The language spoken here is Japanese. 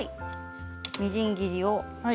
みじん切りを。